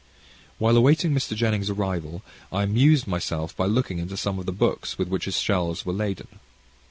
While awaiting Mr. Jennings' arrival, I amused myself by looking into some of the books with which his shelves were laden.